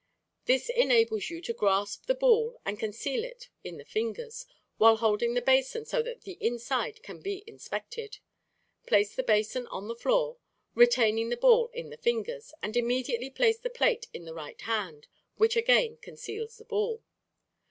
This enables you to grasp the ball and conceal it in the fingers, while holding the basin so that the inside can be inspected. Place the basin on the floor, retaining the ball in the fingers, and immediately place the plate in the right hand, which again conceals the ball.